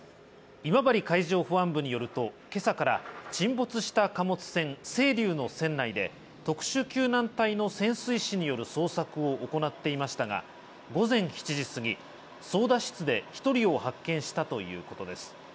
今治海上保安部によると、今朝から沈没した貨物船「せいりゅう」の船内で特殊救難隊の潜水士による捜索を行っていましたが、午前７時すぎ、操舵室で１人を発見したということです。